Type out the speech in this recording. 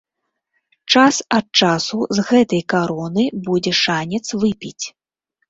Час ад часу з гэтай кароны будзе шанец выпіць.